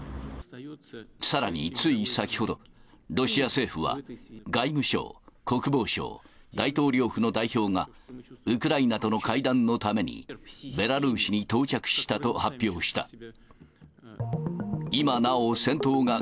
さらについ先ほど、ロシア政府は、外務省、国防省、大統領府の代表が、ウクライナとの会談のために、ベラルーシに到着したと発表した。